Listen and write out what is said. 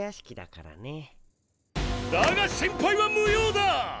だが心配は無用だ！